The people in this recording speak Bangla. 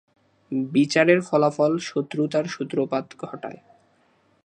বিচারের ফলাফল শত্রুতার সূত্রপাত ঘটায়।